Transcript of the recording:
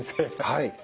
はい。